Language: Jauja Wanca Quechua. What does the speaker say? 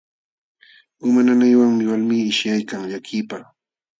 Uma nanaywanmi walmii qishyaykan llakiypaq.